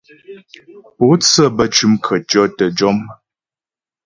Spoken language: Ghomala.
Pǒtsə bə́ cʉm khətʉɔ̌ tə́ jɔm.